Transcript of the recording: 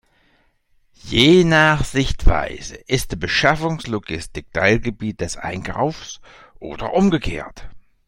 Je nach Sichtweise ist die Beschaffungslogistik Teilgebiet des Einkaufs oder umgekehrt.